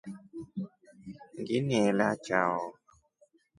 Nginielya chao.